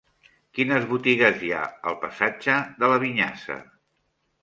Quines botigues hi ha al passatge de la Vinyassa?